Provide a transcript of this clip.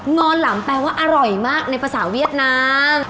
งอนหลำแปลว่าอร่อยมากในภาษาเวียดนาม